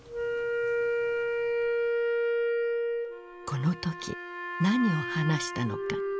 この時何を話したのか？